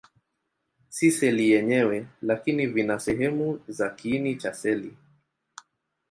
Si seli yenyewe, lakini vina sehemu za kiini cha seli.